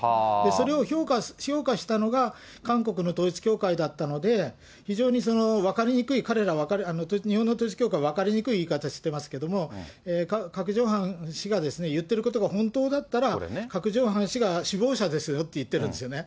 それを評価したのが韓国の統一教会だったので、非常に分かりにくい、彼らは、日本の統一教会は分かりにくい言い方してますけど、クァク・ジョンファン氏が言ってることが本当だったら、クァク・ジョンファン氏が首謀者ですよって言ってるんですよね。